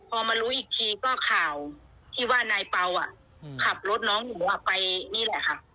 พอมารู้อีกทีก็ข่าวที่ว่านายเปล่าขับรถน้องหนูไปนี่แหละค่ะ